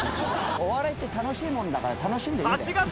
お笑いって楽しいものだから楽しんでいいんだよ。